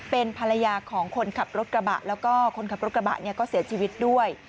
เป็นภรรยาของคนขับรถกระบะแล้วก็คนขับรถกระบะเนี่ยก็เสียชีวิตด้วย